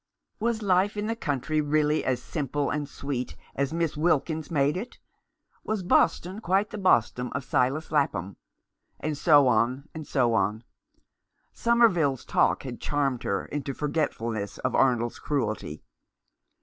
Was life in the country really as simple and sweet as Miss Wilkins made it ? Was Boston quite the Boston of " Silas Lapham "? And so on, and so on. Somerville's talk had charmed her into forgetfulness of Arnold's cruelty.